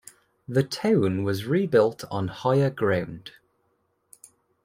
The town was rebuilt on higher ground.